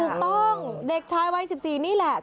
ถูกต้องเด็กชายวัย๑๔นี่แหละ